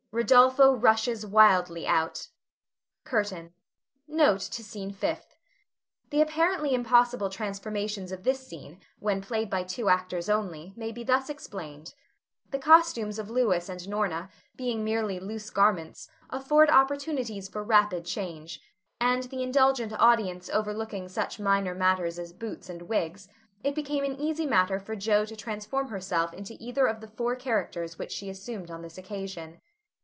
[Rodolpho rushes wildly out.] CURTAIN. NOTE TO SCENE FIFTH. The apparently impossible transformations of this scene (when played by two actors only) may be thus explained: The costumes of Louis and Norna, being merely loose garments, afford opportunities for rapid change; and the indulgent audience overlooking such minor matters as boots and wigs, it became an easy matter for Jo to transform herself into either of the four characters which she assumed on this occasion.